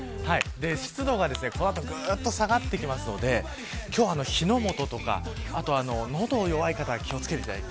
湿度がこの後ぐっと下がってくるので今日は、火の元とか喉が弱い方は気を付けてください。